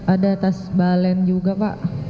ada tas balen juga pak